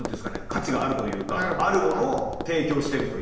価値があるというかあるものを提供してるという。